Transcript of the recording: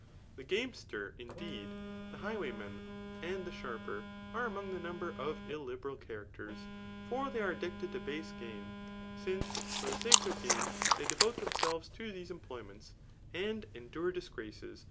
The gamester, indeed, the highwayman, and the stuuper, are among the number of illiberal characters ; for they are addicted to base gain ; since, for the sake of gain, they devote themselves to these employments, and endure dis Digitized by Google CHikT.U. STRICt.